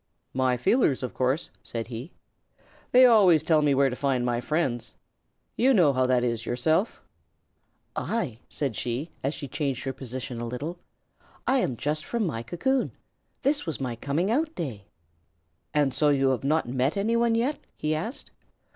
"My feelers, of course," said he. "They always tell me where to find my friends. You know how that is yourself." "I?" said she, as she changed her position a little. "I am just from my cocoon. This was my coming out day." "And so you have not met any one yet?" he asked.